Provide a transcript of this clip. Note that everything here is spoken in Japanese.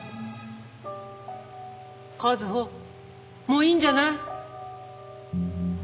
もういいんじゃない？